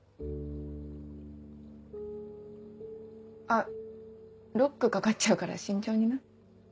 あっロック掛かっちゃうから慎重にな？